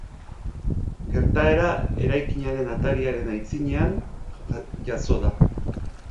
Gertaera eraikinaren atariaren aitzinean jazo da.